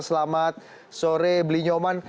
selamat sore beli nyoman